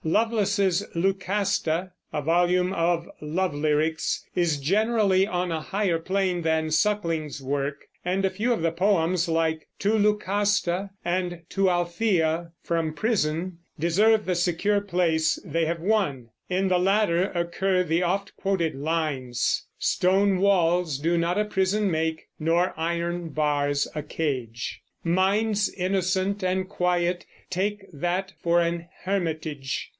Lovelace's Lucasta, a volume of love lyrics, is generally on a higher plane than Suckling's work; and a few of the poems like "To Lucasta," and "To Althea, from Prison," deserve the secure place they have won. In the latter occur the oft quoted lines: Stone walls do not a prison make, Nor iron bars a cage; Minds innocent and quiet take That for an hermitage.